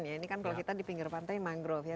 ya ini kan kalau kita di pinggir pantai mangrove ya